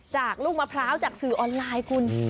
จากลูกมะพร้าวจากสื่อออนไลน์คุณ